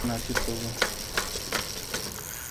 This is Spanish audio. Con trece años, la gemela Jude es una chica más atrevida.